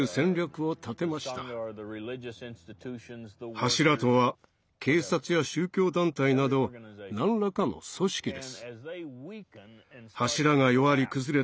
柱とは警察や宗教団体など何らかの組織です。